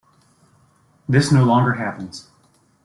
This no longer happens.